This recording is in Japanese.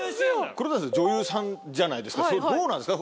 黒谷さん女優さんじゃないですかどうなんですか？